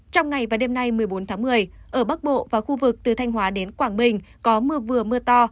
trong ngày và đêm nay một mươi bốn tháng một mươi ở bắc bộ và khu vực từ thanh hóa đến quảng bình có mưa vừa mưa to